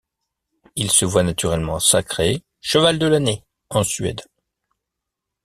Il se voit naturellement sacré cheval de l'année en Suède.